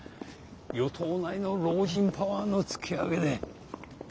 与党内の老人パワーの突き上げで。